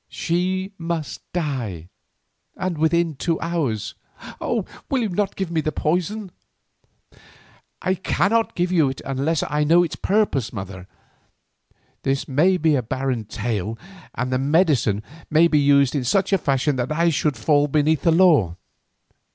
She must die and within two hours. Will you not give the poison?" "I cannot give it unless I know its purpose, mother. This may be a barren tale, and the medicine might be used in such a fashion that I should fall beneath the law.